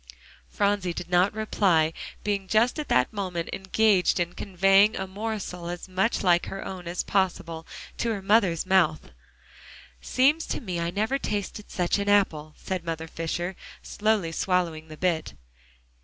Phronsie did not reply, being just at that moment engaged in conveying a morsel as much like her own as possible, to her mother's mouth. "Seems to me I never tasted such an apple," said Mother Fisher, slowly swallowing the bit.